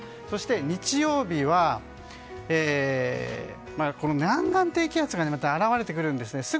そして、日曜日は南岸低気圧がまた現れてくるんですね。